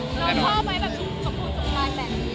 แล้วชอบไหมสมบูรณ์สมบัติแบบนี้อะไรอย่างนี้